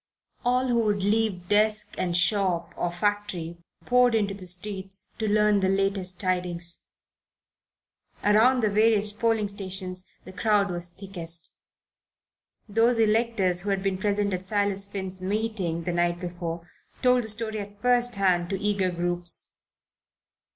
All who could leave desk and shop or factory poured into the streets to learn the latest, tidings. Around the various polling stations the crowd was thickest. Those electors who had been present at Silas Finn's meeting, the night before, told the story at first hand to eager groups.